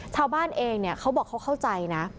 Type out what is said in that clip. ชาวบ้านเองเนี่ยเขาบอกเขาเข้าใจนะ